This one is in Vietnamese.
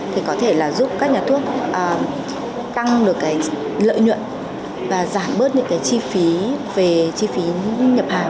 thì có thể là giúp các nhà thuốc tăng được cái lợi nhuận và giảm bớt những cái chi phí về chi phí nhập hàng